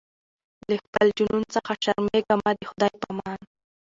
له خپل جنون څخه شرمېږمه د خدای په امان